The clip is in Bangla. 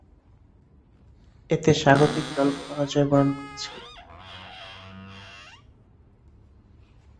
এতে স্বাগতিক দল পরাজয়বরণ করেছিল।